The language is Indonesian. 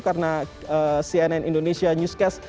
karena cnn indonesia newscast